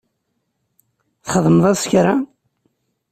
Txedmeḍ-as kra?